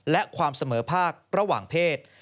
และความเสมอภาคระหว่างเพศ